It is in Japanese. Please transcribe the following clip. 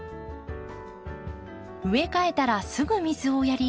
植え替えたらすぐ水をやり